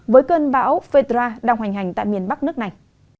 với cơn bão fedra đang hoành hành tại miền bắc nước này